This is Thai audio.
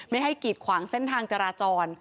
ไม่ให้กีดขวางเส้นทางจราจร